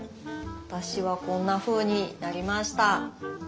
私はこんなふうになりました。